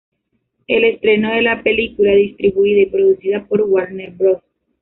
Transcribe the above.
El estreno de la película, distribuida y producida por Warner Bros.